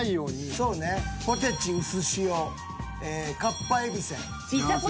そうねポテチうすしおええかっぱえびせん。